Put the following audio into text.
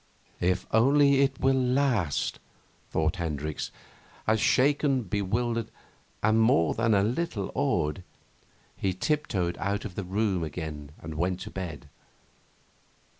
'If only it will last,' thought Hendricks, as, shaken, bewildered, and more than a little awed, he tiptoed out of the room again and went to bed.